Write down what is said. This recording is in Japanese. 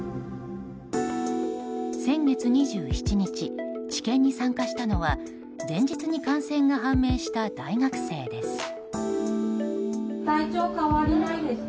先月２７日、治験に参加したのは前日に感染が判明した大学生です。